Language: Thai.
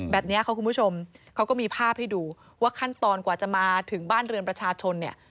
แบบนี้ค่ะคุณผู้ชมเขาก็มีภาพให้ดูว่าขั้นตอนกว่าจะมาถึงบ้านเรือนประชาชนเนี่ย